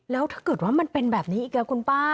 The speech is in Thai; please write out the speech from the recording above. แล้วถ้าเกิดว่ามันเป็นแบบนี้อีกคุณป้า